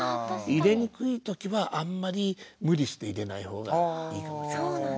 入れにくい時はあんまり無理して入れない方がいいかもしれません。